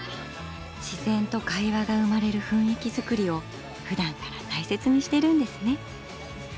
自然と会話が生まれる雰囲気作りをふだんから大切にしてるんですね。